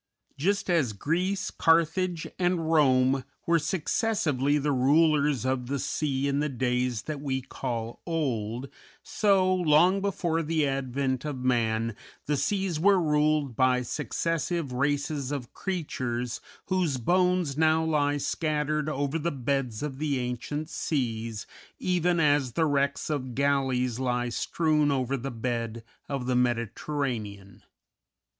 Just as Greece, Carthage, and Rome were successively the rulers of the sea in the days that we call old, so, long before the advent of man, the seas were ruled by successive races of creatures whose bones now lie scattered over the beds of the ancient seas, even as the wrecks of galleys lie strewn over the bed of the Mediterranean.